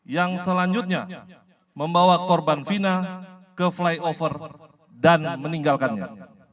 yang selanjutnya membawa korban fina ke flyover dan meninggalkannya